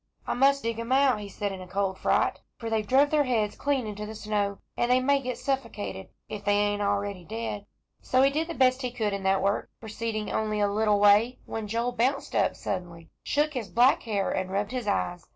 "I must dig 'em out," he said to himself in a cold fright, "for they've druv their heads clean into the snow, and they may get stuffocated, if they ain't already dead." So he did the best he could in that work, proceeding only a little way, when Joel bounced up suddenly, shook his black hair, and rubbed his eyes.